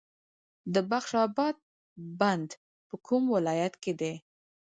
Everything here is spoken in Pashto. د بخش اباد بند په کوم ولایت کې دی؟